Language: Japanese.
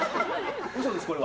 嘘です、これは。